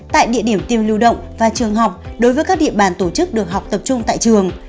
tại địa điểm tiêm lưu động và trường học đối với các địa bàn tổ chức được học tập trung tại trường